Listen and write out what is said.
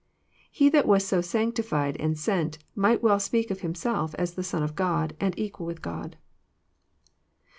He that was so " sanctified " and '' sent," might well speak of Himself as the Son of God, and equal with God.